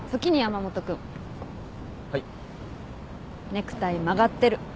ネクタイ曲がってる。